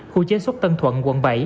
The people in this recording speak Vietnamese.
khu chế xuất tân thuận quận bảy